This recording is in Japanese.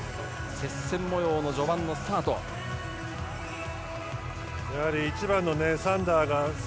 接戦模様の序盤がスタート。